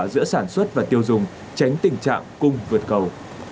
giữa sản xuất và tiêu dùng tránh tình trạng cung vượt cầu